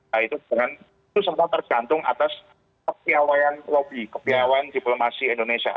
nah itu semua tergantung atas kepiawaan lobi kepiawaan diplomasi indonesia